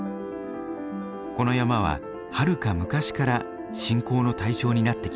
この山ははるか昔から信仰の対象になってきました。